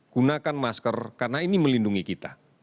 guna kan masker karena ini melindungi kita